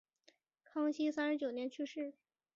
康熙三十九年去世。